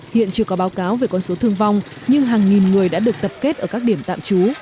hiện chưa có báo cáo về con số thương vong nhưng hàng nghìn người đã được tập kết ở các điểm tạm trú